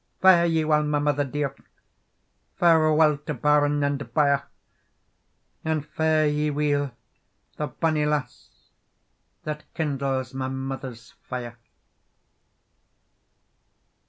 "Fare ye weel, my mother dear! Fareweel to barn and byre! And fare ye weel, the bonny lass That kindles my mother's fire!"